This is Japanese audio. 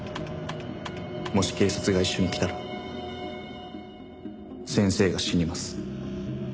「もし警察が一緒に来たら先生が死にます」